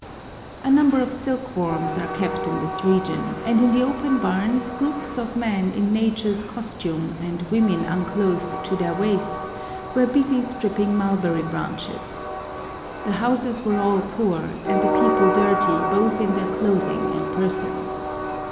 A number of silk worms are kept in this region, and in the open barns groups of men in nature's costume, and women unclothed to their waists, were busy stripping mulberry branches. The houses were all poor, and the people dirty both in their clothing and persons.